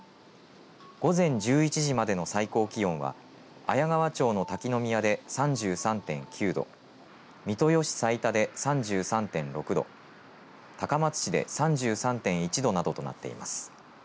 午前１１時までの最高気温は綾川町の滝宮で３３．９度三豊市財田で３３．６度高松市で３３．１度などとなっています。